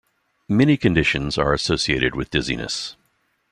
Many conditions are associated with dizziness.